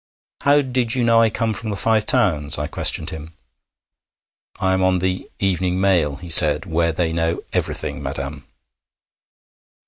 'How did you know I come from the Five Towns?' I questioned him. 'I am on the Evening Mail,' he said, 'where they know everything, madam.'